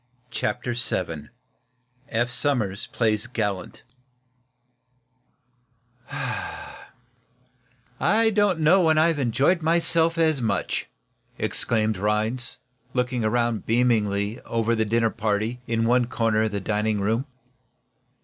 CHAPTER VII EPH SOMERS PLAYS GALLANT "I don't know when I've enjoyed myself as much," exclaimed Rhinds, looking round beamingly over the dinner party in one corner of the dining room.